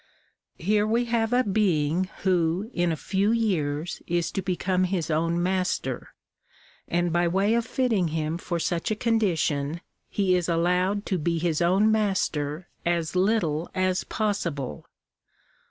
Here we have a being who, in a few years, is to become his own master, and, by way of fitting him for such a condition, he is allowed to be his own master as little as possible.